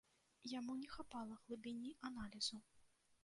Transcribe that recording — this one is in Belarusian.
Яму не хапала глыбіні аналізу.